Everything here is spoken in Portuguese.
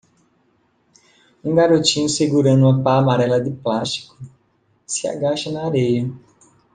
Um garotinho segurando uma pá amarela de plástico?? se agacha na areia.